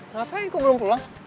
ngapain gua belum pulang